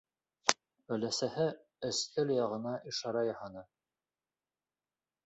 Өләсәһе өҫтәл яғына ишара яһаны.